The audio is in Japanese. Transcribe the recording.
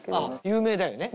有名だよね。